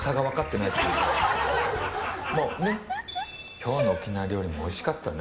今日の沖縄料理もおいしかったね。